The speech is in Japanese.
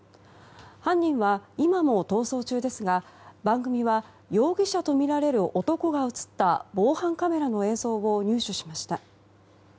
犯人は今も逃走中ですが番組は、容疑者とみられる男が映った防犯カメラの映像を入手しました。